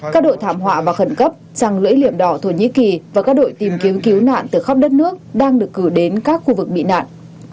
các đội thảm họa và khẩn cấp trăng lưỡi liềm đỏ thổ nhĩ kỳ và các đội tìm kiếm cứu nạn từ khắp đất nước đang được cử đến các khu vực bị nạn